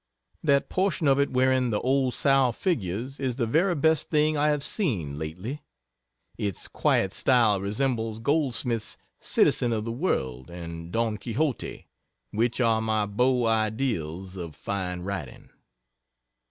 That portion of it wherein the old sow figures is the very best thing I have seen lately. Its quiet style resembles Goldsmith's "Citizen of the World," and "Don Quixote," which are my beau ideals of fine writing.